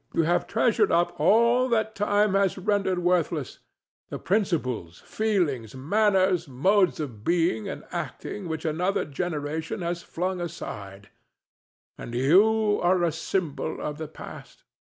You have treasured up all that time has rendered worthless—the principles, feelings, manners, modes of being and acting which another generation has flung aside—and you are a symbol of the past.